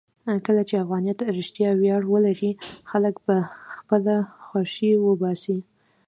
کله چې افغانیت رښتیا ویاړ ولري، خلک به خپله خوښۍ وباسي.